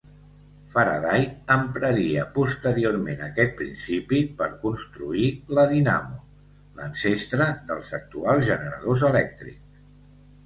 Faraday empraria posteriorment aquest principi per construir la dinamo, l'ancestre dels actuals generadors elèctrics.